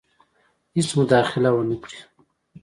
هیڅ مداخله ونه کړي.